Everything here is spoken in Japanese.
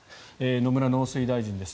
野村農水大臣です。